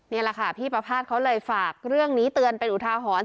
นี่แหละค่ะพี่ประภาษณ์เขาเลยฝากเรื่องนี้เตือนเป็นอุทาหรณ์